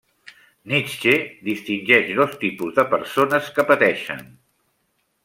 Nietzsche distingeix dos tipus de persones que pateixen.